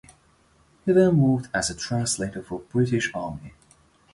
He then worked as a translator for the British army.